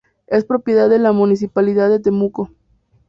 Es propiedad de la Municipalidad de Temuco.